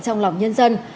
trong lòng nhân dân